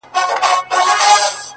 خوارسومه انجام مي د زړه ور مـات كړ؛